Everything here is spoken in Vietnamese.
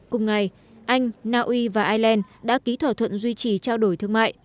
cùng ngày anh naui và ireland đã ký thỏa thuận duy trì trao đổi thương mại